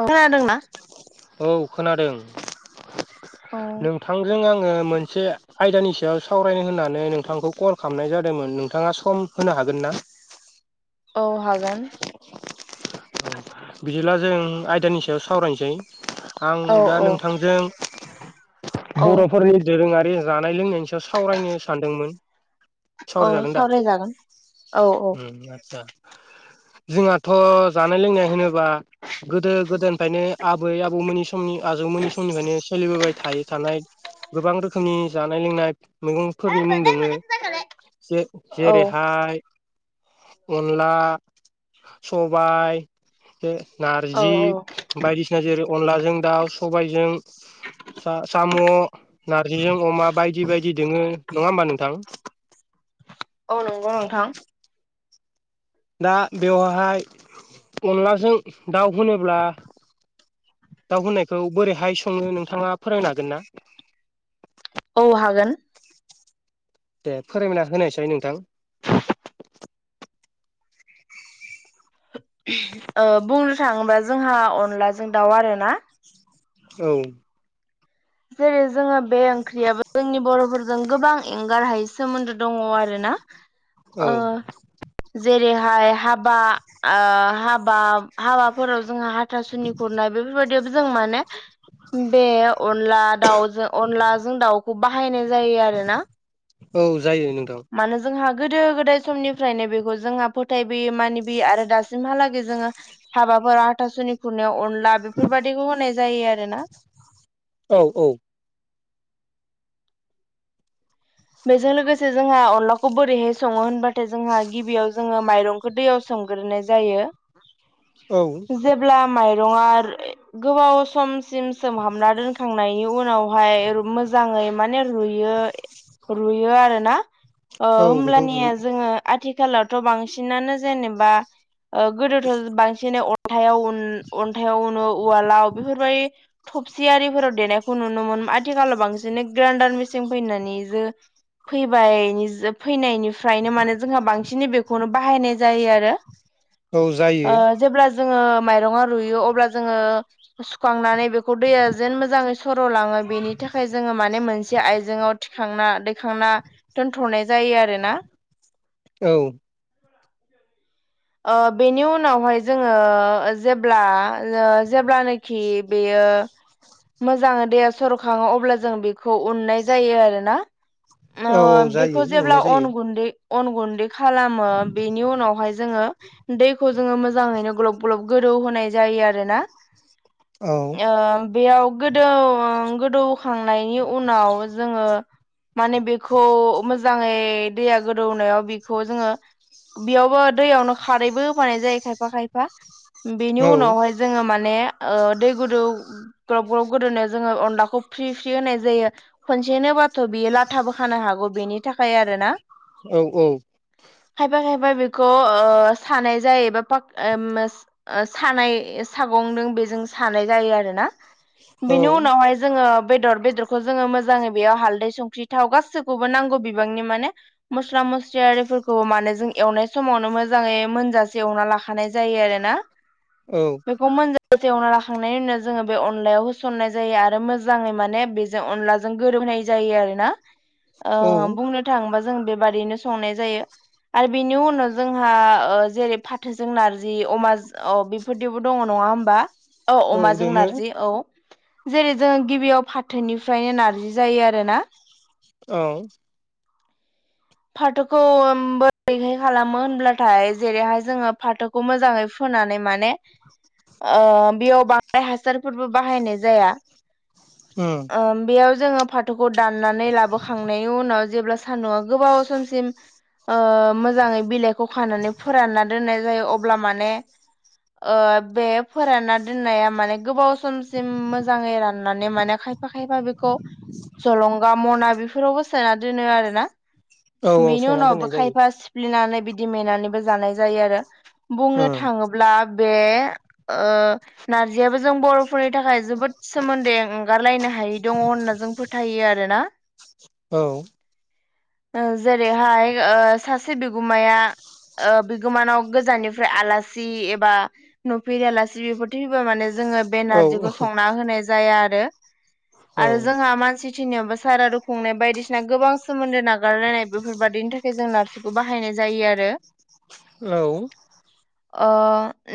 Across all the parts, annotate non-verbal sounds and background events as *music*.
औ खोनादोंना औ खोनादों औ नोंथांजों आङो मोनसे आयदानि सायाव सावरायनो होननानै नोंथांखौ कल खालामनाय जादोंमोन नोंथाङा सम होनो हागोन ना? *inaudible* औ हागोन बिदिब्ला जों आयदानि सायाव सावरायनोसै आं औ दा औ नोंथांजों औ बर'फोरनि दोरोङारि जानाय लोंनायनि सायाव सावरायनो सानदोंमोन औ सहर जागोन दा सावरायजागोन औ औ उम आदसा। जोंहाथ' जानाय लोंनाय होनो बा गोदो गोदोनिफायनो आबै आबौमोननि समनि आजौमोननि समनिफायनो सोलिबोबाय थायो थानाय गोबां रोखोमनि जानाय लोंनाय मैगंफोरनि मुं दोङो जे जेरैहाय अनला सबाइ बे औ नारजि नंगौ नोंथां बायदिसिना जेरै अनलाजों दाउ सबायजों साम' नारजिजों अमा बायदि बायदि दोङो नङा होमबा नोंथां? औ नोंगौ नोंथां। दा बेवहाय अनलाजों दाउ होनोब्ला दाउ होननायखौ बोरैहाय संनो नोंथाङा फोरोंनो हागोन ना? औ हागोन। दे फोरोंना होनायसाय नोंथां। *unintelligible* बुंनो थाङोबा जोंहा अनलाजों दाउ आरोना औ जेरै जोङो बे ओंख्रियाबो जोंनि बर'फोरजों गोबां एंगारहायै सोमोन्दो दङ आरो ना औ जेरैहाय हाबा ओ हाबा हाबाफोराव जोंहा हाथासुनि खुरनाय बेफोरबायदियावबो जों माने बे अनला दाउजों अनलाजों दाउखौ बाहायनाय जायो आरोना औ जायो नोंथां *inaudible* मानो जोंहा गोदो गोदाय समनिफ्रायनो बेखौ जोंहा फोथायबोयो मानिबोयो आरो दासिमहालागै जोङो हाबा माबा हाथासुनि खुरनायाव अनला बेफोरबादिखौ होनाय जायो आरोना। औ औ। बेजों लोगोसे जोंहा अनलाखौ बोरैहाय सङो होनबाथाय जोंहा गिबियाव जोङो माइरंखौ दैयाव सो मग्रोनाय जायो औ *inaudible* जेब्ला माइ रङा गोबाव समसिम सोमहाबना दोनखांनायनि उनावहाय रु मोजां माने रुयो रुयो आरोना ओ औ बेखौ रुयो होब्लानिया जोङो आथि खालावथ' बांसिनानो जेनेबा ओ गोदोथ' बांसिन अ न्थायाव उन अन्थायाइाव उनो उवालाव बेफोरबायदि थबसि आरिफोराव देनायखौ नुनो मोनो आथिखालाव बांसिनै ग्राइन्डार मेसिन फैनानै फैबाय फैनायनिफ्रायनो माने जोंहा बांसिनै बेखौनो बाहायनाय जायो आरो। औ जायो। ङो माइरङा रुयो अब्ला जोङो सुखांनानै बेखौ दैया जेन मोजाङै सर'लाङो बेनि थाखाय जोङो माने मोनसे आइजेंआव थि खांना दैखांना दोनथ'नाय जायो आरोना। औ। ओ बेनि उनावहाय जोङो जेब्ला जेब्लानो खि बेयो मोजां दैेया सर'खाङो अब्ला जों बेखौ उननाय जायो आरोना। ओ औ औ जायो बेखौ एवनाय जेब्ला जायो अन गुन्दै अन गुन्दै खालामो बेनि उनावहाय जोङो दैखौ जोङो मोजाङैनो ग्लब ग्लब गोदौ होनाय जायो आरोना। औ ओ बेयाव गोदौ ओ गोदौखांनायनि उनाव जोङो माने बेखौ मोजाङै दैया गोदौनायाव बेखौ जोङो बेयावबो दैयावनो खारैबो होफानाय जायो खायफा खायफा बेनि औ उनावहाय जोङो माने ओ दै गुदुं ग्लब ग्लब गोदौनायाव जोङो अनलाखौ फ्रि फ्रि होनाय जायो खनसे होनोबाथ' बियो लाथाबो खानो हाग *unintelligible* बेनि थाखाय आरो ना औ औ खायफा खायफा बेखौ ओ सानाय जायोबा *unintelligible* सानाय सागं दो बेजों सानाय जायो आरो ना औ बिनि उनावहाय जोङो बेदर बेदरखौ जोङो मोजांयै बेयाव हालदै संख्रि थाव‌ गासैखौबो नांगौ बिबांनि माने मस्ला मस्लि आरिफोरखौ माने जों एवनाय समावनो मोजाङै मोनजासे एवना लाखानाय जायो आरोना औ बे मोनजा एवना लाखांनायनि उनाव जोङो बेव अनलायाव होसननाय जायो आरो मोजाङै माने बेजों अनलाजों गोरोब। होननाय जायो आरोना। औ बुंनो थाङोबा जों बेबादिनो संनाय जायो आरो बेनि उनाव जोंहा जेरै फाथोजों नारजि अमा अ बेफोरदिबो दङ नङा होमबा? औ अमाजों नारजि औ। जेरै जों गिबियाव फाथोनिफ्रायनो नारजि जायो आरोना। औ फाथोखौ बोरैहाय खालामो होनब्लाथाय जेरैहाय जोङो फाथोखौ मोजाङै फु नानै माने बेयाव बांद्राय हासारफोरबो बाहायनाय जाया उम बेयाव जोङो फाथोखौ दाननानै लाबोखांनायनि उनाव जेब्ला सानदुङा गोबाव समसिम मोजाङै बिलाइखौ खानानै फोरानना दोननाय अब्ला माने बे फोरानना दोननाया माने गोबाव समसिम मोजाङै राननानै माने खायफा खायफा बेखौ जलंगा मना बेफोरावबो सोना दोनो आरोना औ औ बेनि सोना उनावबो दोननाय जायो खायफा ब्लिनानै बिदि मेनानैबो जानाय जायो आरो बुंनो उम थाङोब्ला बे नारजियाबो जों बर'फोरनि थाखाय जोबोद सोमोन्दै। हगारलायनो हायै दङ होनना जों फोथायो आरो ना। औ। जेरैहाय सासे बिगुमाया। बिगोमानाव गोजाननिफ्राय आलासि एबा नुफेर आलासि बेफोर फैबा माने जोङो बे औ नारजिखौ संना होनाय जाया आरो औ आरो जोंहा मानसि। सारादु खुंनाय बायदिसिना गोबां सोमोन्दो ना गारलायनाय बेफोरबादिनि थाखाय जों नारजिखौ बाहायनाय जायो आरो औ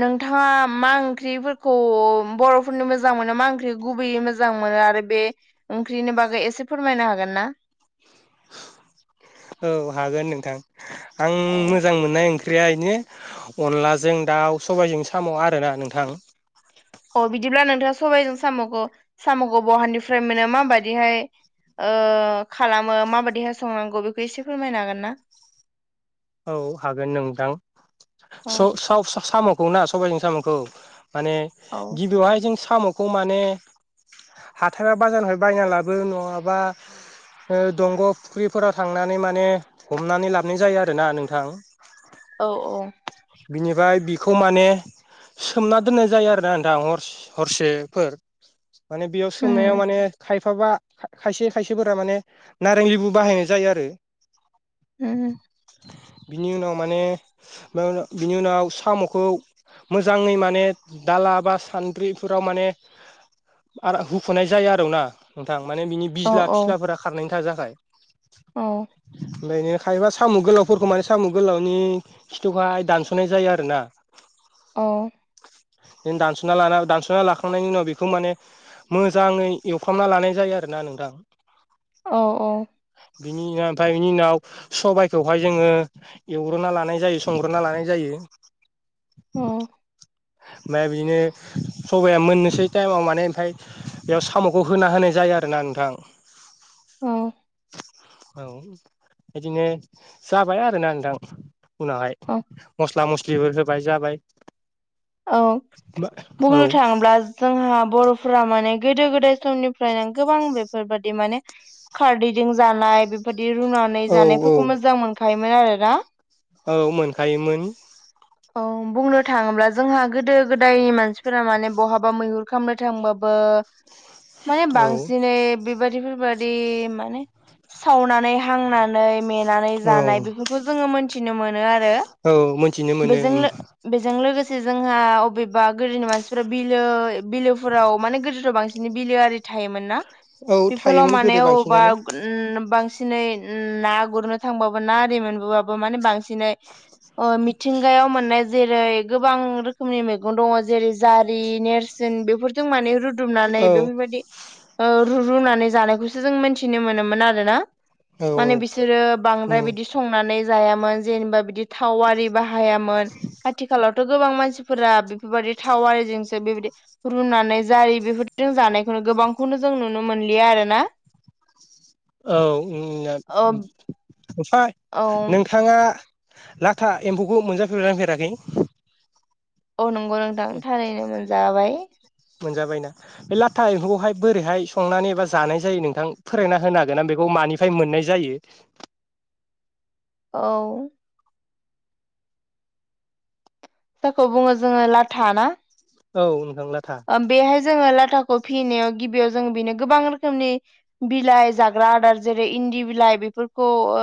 नोंथाङा मा ओंख्रिफोरखौ बर'फोरनो मोजां मोनो मा ओंख्रिखौ। गुबैयै मोजां मोनो आरो बे ओंख्रिनि बागै एसे फोरमायनो हागोन ना *inaudible* औ हागोन नोंथां आं औ मोजां मोननाय ओं ओंख्रिया इनो अनलाजों दाउ सबायजों साम' आरोना नोंथां अ बिदिब्ला नोंथाङा सबाइजों साम'खौ साम'खौ बहानिफ्राय मोनो माबायदिहाय खालामो माबायदियै संनांगौ बेखौ एसे फोरमायनो हागोन ना औ हागोन औ नोंथां साम'खौ ना सबाइजों साम'खौ माने औ गिबियावहाय जों साम'खौ माने हाथाया बाजारनिफ्राय बायना लाबो नङाबा। दंग' फुख्रिफोराव थांनानै माने हमनानै लाबोनाय जायो आरोना नोंथां औ औ। बिनिफ्राय बिखौ माने सोमना दोननाय जायो आरो ना नोंथां हरसेफोर माने बेयाव सोमनायाव उम माने खाय बिफाबा खायसे खायसेफोरा माने नारें लेबु बाहायनाय जायो आरो उम बिनि उनाव माने बिनि उनाव साम'खौ मोजाङै माने दाला बा सान्द्रिफोराव माने *unintelligible* हुख'नाय जाया आरो ना नोंथां माने बिनि औ बिज्ला औ फिस्लाफोरा खारनायनि थाखाय औ *unintelligible* साम' गोलावफोरखौ माने साम' गोलावनि खिथुखौहाय दानस'नाय जायो आरो ना? बिदिनो दानस'ना लाना दानस'ना लाखांनायनि उनाव बेखौ माने मोजाङै एवफ्रामना लानाय जायो आरो ना नोंथां औ औ बिनि नोंङा ओमफाय बिनि उनाव सबाय बेखौवहाय जोङो एवग्रोना लानाय जायो संग्रोना लानाय जायो। उम। *unintelligible* बिनो सबाया मोननोसै टाइमाव माने ओमफाय बेयाव साम'खौ होना होनाय जायो आरोना नोंथां। उम। औ बिदिनो जाबाय आरोना नोंथां। उनावहाय औ मस्ला मस्लिबो होबाय जाबाय। औ बुंनो औ थाङोब्ला जोंहा बर'फोरा माने गोदो गोदाय समनिफ्राय नो गोबां बेफोरबायादि माने खारदैजों जानाय बेफोर बिदि रुनानै औ औ जानायफोरखौ मोजां मोनखायोमोन आरोना। औ मोनखायोमोन। औ बुंनो थाङोब्ला जोंहा गोदो गोदायनि मानसिफोरा माने बहाबा मैहुर खालामनो थांबाबो ओ। *unintelligible* माने बांसिनै बेबायदि बेफोरबायादि माने सावनानै हांनानै मेनानै औ जानाय बेफोरखौ जोङो मोन औ मिनथिनो बेजों लो बेजों लोगोसे से जोंहा अबेबा गोदोनि मानसिफोरा बिलो बिलोफोराव माने गोदोाव बांसिन बिलोआरि थायोमोनना औ बेफोलाव थायोमोन माने गोदो बांसिनानो अबावबा उम *unintelligible* बांसिनै ना गुरनो थांबाबो ना आरि मोनबोबाबो माने बांसिनै ओ मिथिंगायाव मोननाय जेरै गोबां रोखोमनि मैगं दङ जेरै जारि नेरसोन बेफोर जों माने रुद फुदुमनानै औ बेफोरबायदि ओ रुरुनानै जानायखौसो जों मिथिनो मोनोमोन आरो ना? औ माने बिसोरो औ बांद्राय बिदि संनानै जायामोन जेनेबा बिदि थाव बाहायामोन‌ आथिखालाव थ' गोबां मानसिफोरा बेफोरबायदि थावारिजोंसो बेबायदि रुनानै जारि बेफोरजों जानायखौ नो गोबांखौनो जों नुनो मोनलिया आरो ना? *inaudible* औ *unintelligible* औ औ नोंथाङा लाथा एम्फौखौ मोनजाफेरबायना फेराखै? औ नंगौ नोंथां थारैनो मोनजाबाय। मोनजाबायना बे लाथा एम्फौखौहाय बोरैहाय संनानै एबा जानाय जायो नोंथां फोरमायना होनो हागोन ना बेखौ मानिफाय मोननाय जायो? औ। सोरखौ बुङो जोङो लाथा ना? औ। नोंथां लाथा ओम बेहाय जोङो लाथाखौ फिनायाव गिबियाव जोङो बेनो गोबां रोखोमनि बिलाइ जाग्रा आदार जेरै इन्दि बिलाइ बेफोरखौ ओ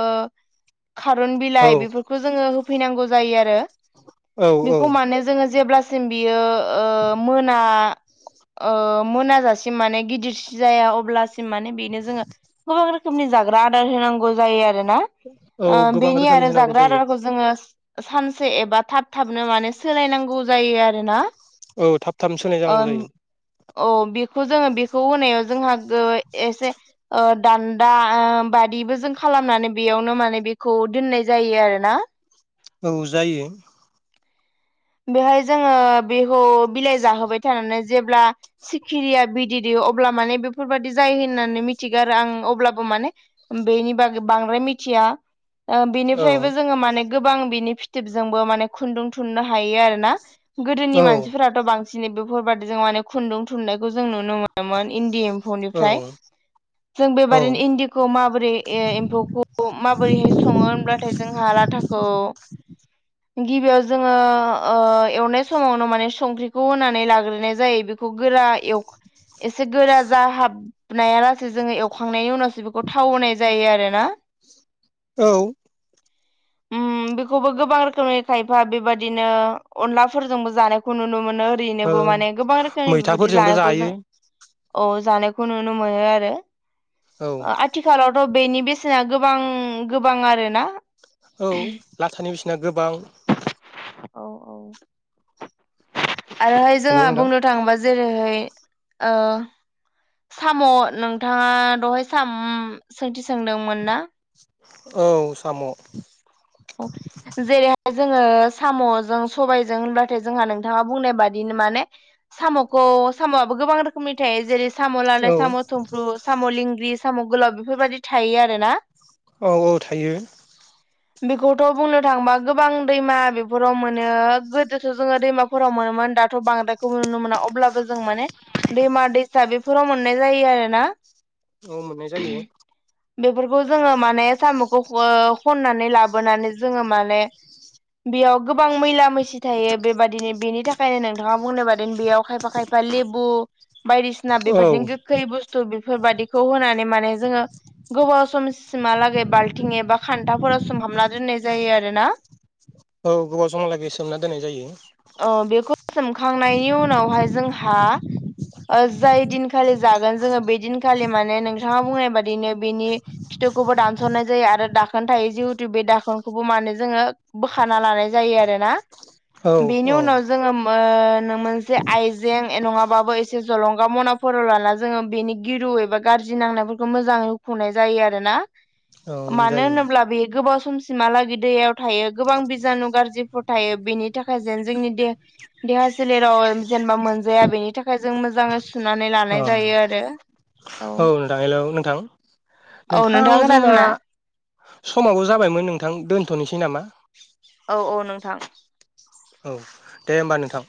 खारुन औ बिलाइ बेफोरखौ जोङो होफैनांगौ जायो आरो औ औ बेखौ मानो जोङो जेब्ला सिम बियो ओ मोन ना ओ मोनाजासिम माने गिदिरसि जाया अब्ला सिम माने बेनो जोङो गोबां रोखोमनि जाग्रा आदार होनांगौ जायो आरो। आरो ना औ ओ गोबां बेनि रोखोमनि आरो होनांगौ जाग्रा जायो आदारखौ जोङो सानसे एबा थाब थाबनो माने सोलायनांगौ जायो आरोना। औ थाब थाब सोलायनांगौ जायो। अ बेखौ जोङो बेखौ होनायाव जोंहा गो एसे ओ दान्दा ओ बाय बिबो जों खालामनानै बेयावनो माने बेखौ दोननाय जायो आरोना। औ जायो। बेहाय जोङो बेखौ बिलाइ जाहोबाय थानानै जेब्ला सिखिरिया बिददै दै *unintelligible* *unintelligible* अब्ला माने बेफोरबादि जाय होननानै मिथिगो आरो आं अब्लाबो माने बेनि बागै बांद्राय मिथ थिया ओ औ बिनिफ्रायबो जोङो माने गोबां बिनि फिथोबजोंबो माने खुन्दुं थुननो हायो आरोना। गोदोनि औ मानसिफोराथ' बांसिनै बेफोरबादि जों माने खुन्दुं थुननायखौ जों नुनो मोनोमोन इन्दि एम औ फौनिफ्राय जों औ बेबादिनो इन्दिखौ माबोरै ए एमफौखौ माबोरैहाय संङो होनब्लाथाय जोंहा लाथाखौ *inaudible* गिबियाव जोङो ओ ओ एवनाय समावनो माने संख्रिखौ होनानै लाग्रोनाय जायो बेखौ गोरा एवख एसे गोरा जाहाबनाया लासेै जोङो एवखांनायनि उनावस सो बेखौ थाव होनाय जायो आरो ना। औ उम बेखौबो गोबां रोखोमनि खायफा बेबाद दिनो अनलाफोरजोंबो जानायखौ नुनो *unintelligible* मोनो औ ओरैनोबो माने गोबां रोखोमनि बेबायदि मैथाफोरजोंबो जानायखौ जायो जों औ जानायखौ नुनो मोनो आरो औ ओ आथिखालाव थ' बेनि बेसेना गोबां गोबां आरो ना औ लाथानि बिसिना गोबां औ औ आरोहाय हेल' जोंहा नोंथां बुंनो थाङोबा जेरैहाय ओ साम' नोंथाङा दहाय साम सोंथि सोंदोंमोन ना औ साम' औ जेरैहाय जोङो साम'जों सबायजों होनब्लाथाय जोंहा नोंथाङा बुंनाय बादि नो माने साम'खौ साम'आबो गोबां रोखोमनि थायो जेरै स साम' औ लादाय साम' थुमफ्रु साम' लिंग्रि साम' गोलाव बेफोरबायदि थायो आरो ना औ औ थायो। बेखौथ' बुंनो थांबा गोबां दैमा बेफोराव मोनो गोदोथ' जोङो दैमाफोराव मोनोमोन दा दाथ' बांद्रायखौबो नुनो मोना अब्लाबो जों माने दैमा दैसा बेफोराव मोननाय जायो आरोना। अ मोननाय जायो‌। बेफोरखौ जोङो माने साम'खौ *unintelligible* खननानै लाब बोनानै जोङो माने बेयाव गोबां मैला मैसि थायो बेबायदिनो बेनि थाख खायनो नोंथाङा बुंनो बादोन बेयाव खायफा खायफा लेबु बायदिसिना औ बेबाददिनो गोखै बुस्थु बे *unintelligible* फोरबादिखौ होनानै माने जोङो गोबाव समसिम हागै बाल्थिं एबा खान्थाफोराव सु सुम हाबना दोननाय जायो आरोना। औ गोबाव समहालागै सोमना दोननाय जायो अ बेखौ सोमखांनायनि उनावहाय जों *unintelligible* हा ओ जाय दिनखालि जागोन जोङो बे दिनखालि माने नोंथाङा बुंनाय बादिनो बेनि खिथ थुखौबो दानस'नाय जायो आरो दाखोन थायो जिउत तु बे दाखोनखौबो मानोे जोङो बोखाना लानाय जायो आरोना। औ बेनि औ उनाव जोङो मो *unintelligible* नो मोनसे आइजें ए नङाबाबो एसे जलंगा मनाफोराव लाना जोङो बेनि गिरु एबा गार जि नांनायफोरखौ मोजाङै हुखुनाय जायो आरो ना। औ मानो जायो होनोब्ला बे गोबाव समसिमहालागै दैयाव थायो गोबां बिजानु गाज्रिफो थायो बेनि थाखाय जेन जोंनि देह देहा सोलेराव जेनेबा मोनजाया बेनि थाखाय जों मोजाङै सु सुनानै अ लानाय जायो आरो औ नोंथां हेलौ नोंथां औ नोंथां नोंथाङा जोंना खोनादोंना? समावबो जाबायमोन नोंथां दोनथ'निसै नामा? औ औ नोंथां औ दे होमबा नोंथां